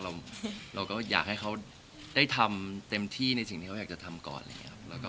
เราก็อยากให้เขาได้ทำเต็มที่ในสิ่งที่เขาอยากจะทำก่อน